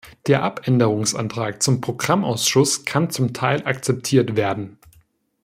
Der Abänderungsantrag zum Programmausschuss kann zum Teil akzeptiert werden.